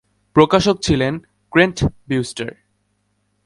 প্রকাশক ছিলেন Kent Brewster.